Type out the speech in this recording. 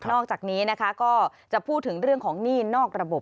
อกจากนี้นะคะก็จะพูดถึงเรื่องของหนี้นอกระบบ